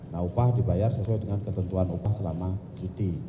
nah upah dibayar sesuai dengan ketentuan upah selama cuti